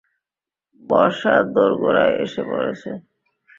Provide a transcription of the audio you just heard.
বর্ষা দোড়গোড়ায় এসে পড়েছে।